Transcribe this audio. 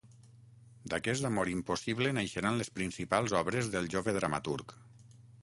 D'aquest amor impossible naixeran les principals obres del jove dramaturg.